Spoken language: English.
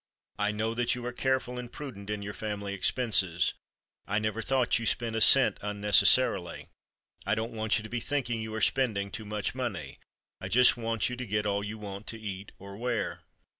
I know that you are careful and prudent in your family expenses. I never thought you spent a cent unnecessarily. I don't want you to be thinking you are spending too much money; I just want you to get all you want to eat or wear.